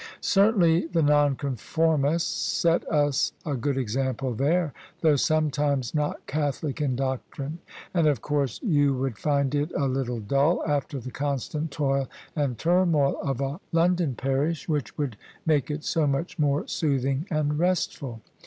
Certainly the Nonconformists set us a good example there, though sometimes not Catholic in doctrine: and of course you would find it a little dull, after the constant toil and turmoil of a London parish, which would make it so much more soothing and restful.